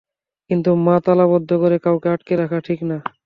কিন্তু মা তালাবন্ধ করে কাউকে আটকে রাখা ঠিক না।